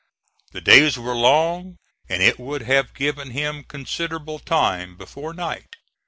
The days were long and it would have given him considerable time before night.